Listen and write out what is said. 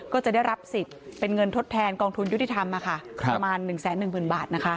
ก็จะได้รับศิษย์เป็นเงินถดแทนกองทุนยุทิธรรมอ่ะค่ะประมาณ๑๑๐๐๐๐๐บาทนะคะ